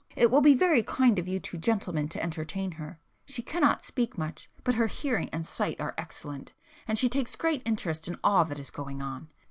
It will be very kind of you two gentlemen to entertain her,—she cannot speak much, but her hearing and sight are excellent, and she takes great interest in all that is going on.